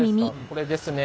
これですね